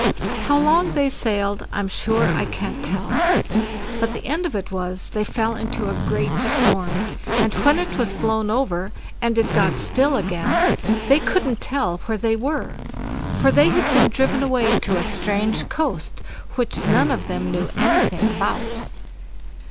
How long they sailed I'm sure I can't tell; but the end of it was, they fell into a great storm, and when it was blown over, and it got still again, they couldn't tell where they were; for they had been driven away to a strange coast, which none of them knew anything about.